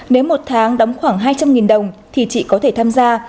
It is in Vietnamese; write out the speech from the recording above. nếu một tháng đóng khoảng hai trăm linh đồng thì chị có thể tham gia